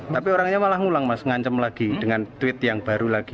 tapi orangnya malah ngulang mas ngancam lagi dengan tweet yang baru lagi